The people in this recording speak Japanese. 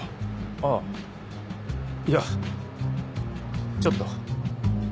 ああいやちょっと。